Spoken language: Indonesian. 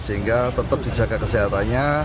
sehingga tetap dijaga kesehatannya